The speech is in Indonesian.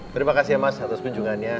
terima kasih ya mas atas kunjungannya